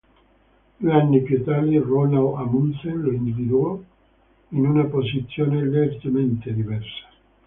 Due anni più tardi, Roald Amundsen lo individuò in una posizione leggermente diversa.